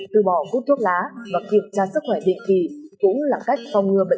tư bỏ cút thuốc lá và kiểm tra sức khỏe định kỳ cũng là cách phòng ngừa bệnh